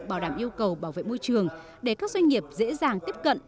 bảo đảm yêu cầu bảo vệ môi trường để các doanh nghiệp dễ dàng tiếp cận